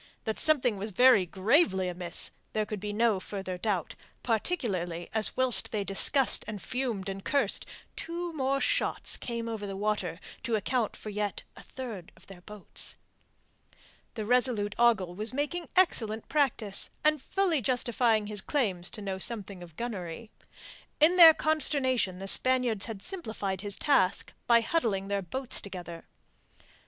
That something was very gravely amiss there could be no further doubt, particularly as whilst they discussed and fumed and cursed two more shots came over the water to account for yet a third of their boats. The resolute Ogle was making excellent practice, and fully justifying his claims to know something of gunnery. In their consternation the Spaniards had simplified his task by huddling their boats together.